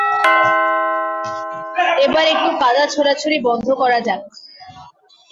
এবার একটু কাদা ছোড়াছুঁড়ি বন্ধ করা যাক।